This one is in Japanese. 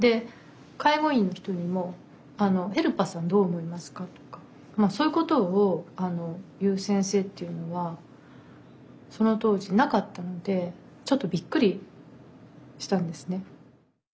介護員の人にも「ヘルパーさんどう思いますか？」とかそういうことを言う先生っていうのはその当時いなかったのでちょっとびっくりしたんですね。